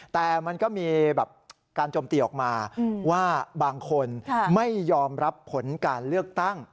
แต่มันก็มีการโจมตีออกมาว่าบางคนไม่ยอมรับผลการเลือกตั้ง